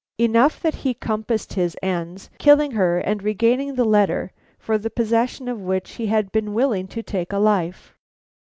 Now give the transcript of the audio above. Enough that he compassed his ends, killing her and regaining the letter for the possession of which he had been willing to take a life.